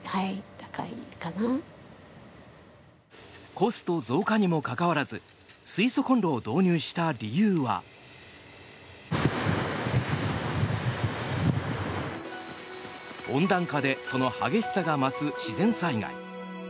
コスト増加にもかかわらず水素コンロを導入した理由は温暖化でその激しさが増す自然災害。